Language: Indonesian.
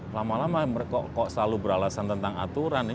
lama lama kok selalu beralasan tentang aturan